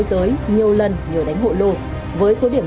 xong không xong nó bảo đánh hộ cho nó nó sẽ cho sống